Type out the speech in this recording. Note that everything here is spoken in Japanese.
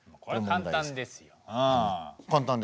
これは簡単ですようん。